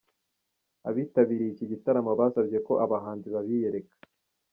Abitabiriye iki gitaramo basabye ko abahanzi babiyereka.